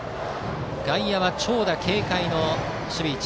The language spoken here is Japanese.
外野は長打警戒の守備位置。